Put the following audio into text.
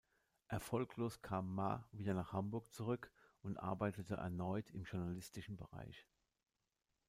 Erfolglos kam Marr wieder nach Hamburg zurück und arbeitete erneut im journalistischen Bereich.